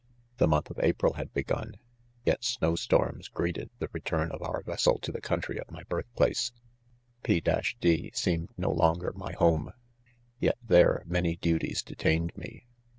The month of April, had begun, jet snow storms greeted, the return of our vessel to the country of my birth place. * p d seemed no longer my home ; yet there many duties detained" me.